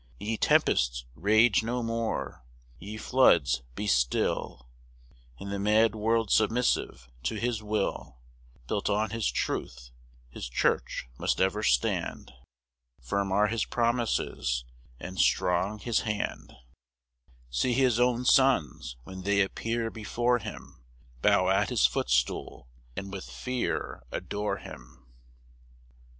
3 Ye tempests, rage no more; ye floods, be still; And the mad world submissive to his will: Built on his truth, his church must ever stand; Firm are his promises, and strong his hand: See his own sons, when they appear before him, Bow at his footstool, and with fear adore him.